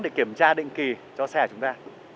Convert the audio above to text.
để kiểm tra định kỳ cho xe chúng ta